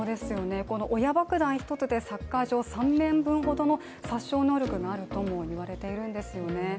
この親爆弾１つでサッカー場３面分ほどの殺傷能力があるともいわれているんですよね。